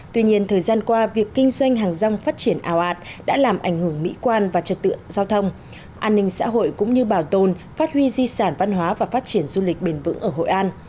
tuy nhiên thời gian qua việc kinh doanh hàng rong phát triển ảo ạt đã làm ảnh hưởng mỹ quan và trật tự giao thông an ninh xã hội cũng như bảo tồn phát huy di sản văn hóa và phát triển du lịch bền vững ở hội an